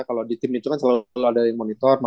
kalau di tim itu kan selalu ada yang monitor